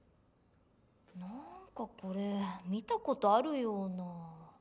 なんかこれ見たことあるような。